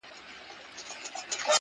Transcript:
د امريکا او کاناډا په کوڅو کي ګرځي